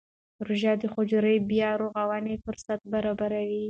روژه د حجرو بیا رغونې فرصت برابروي.